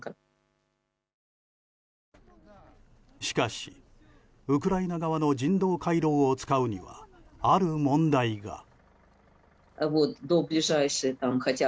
しかし、ウクライナ側の人道回廊を使うにはある問題が。